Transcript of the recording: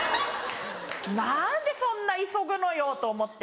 なんでそんな急ぐのよと思って。